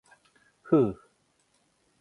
ふう。